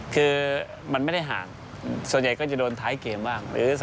คือมันไม่ได้ห่างส่วนใหญ่ก็จะโดนท้ายเกมบ้าง